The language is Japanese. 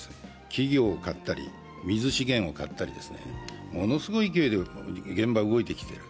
企業を買ったり、水資源を買ったりものすごい勢いで現場が動いてきてる。